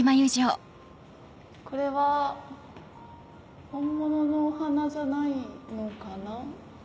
これは本物のお花じゃないのかな？